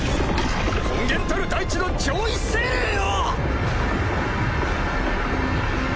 根源たる大地の上位精霊よ！